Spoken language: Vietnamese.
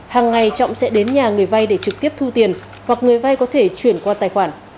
hàng ngày trọng sẽ đến nhà người vay để trực tiếp thu tiền hoặc người vay có thể chuyển qua tài khoản